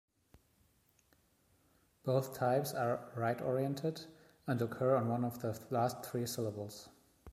Both types are right-oriented and occur on one of the last three syllables.